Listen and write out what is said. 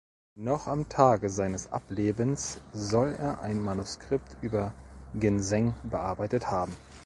Noch am Tage seines Ablebens soll er ein Manuskript über Ginseng bearbeitet haben.